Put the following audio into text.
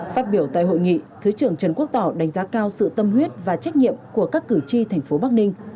phát biểu tại hội nghị thứ trưởng trần quốc tỏ đánh giá cao sự tâm huyết và trách nhiệm của các cử tri thành phố bắc ninh